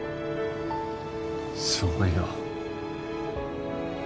すごいよ。